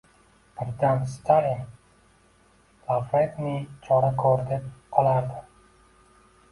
Birdan Stalin: «Lavrentiy, chora ko’r», deb qolardi.